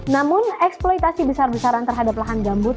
namun eksploitasi besar besaran terhadap lahan gambut